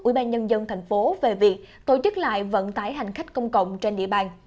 ubnd thành phố về việc tổ chức lại vận tải hành khách công cộng trên địa bàn